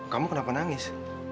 kamu kenapa nangis